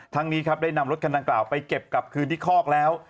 นี้ครับได้นำรถคันดังกล่าวไปเก็บกลับคืนที่คอกแล้ว